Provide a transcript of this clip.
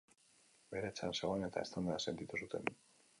Bera etxean zegoen eta eztanda sentitu zuten.